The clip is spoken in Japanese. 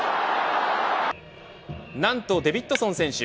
何とデビッドソン選手